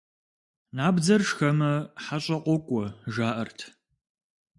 Набдзэр шхэмэ, хьэщӀэ къокӀуэ, жаӀэрт.